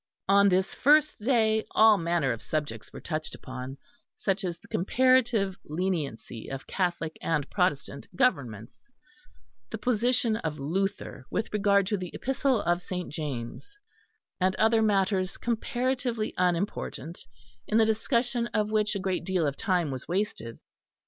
On this first day, all manner of subjects were touched upon, such as the comparative leniency of Catholic and Protestant governments, the position of Luther with regard to the Epistle of St. James, and other matters comparatively unimportant, in the discussion of which a great deal of time was wasted.